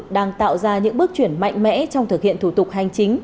đang tạo ra những bước chuyển mạnh mẽ trong thực hiện thủ tục hành chính